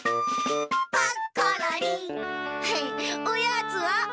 おやつは？